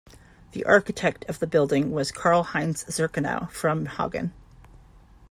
The architect of the building was Karl-Heinz Zernikow from Hagen.